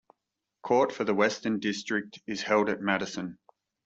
Court for the Western District is held at Madison.